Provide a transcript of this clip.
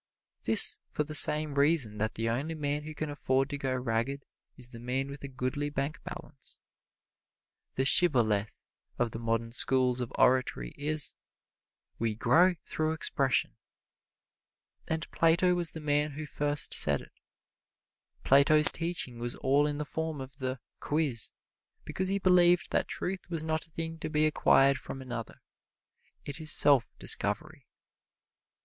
This for the same reason that the only man who can afford to go ragged is the man with a goodly bank balance. The shibboleth of the modern schools of oratory is, "We grow through expression." And Plato was the man who first said it. Plato's teaching was all in the form of the "quiz," because he believed that truth was not a thing to be acquired from another it is self discovery.